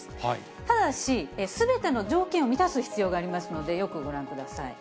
ただし、すべての条件を満たす必要がありますので、よくご覧ください。